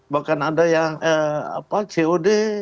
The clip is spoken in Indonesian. bahkan ada yang cod